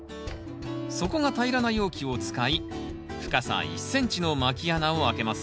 底が平らな容器を使い深さ１ｃｍのまき穴を開けます。